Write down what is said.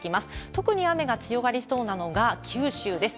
特に雨が強まりそうなのが九州です。